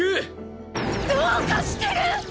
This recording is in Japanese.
どうかしてる！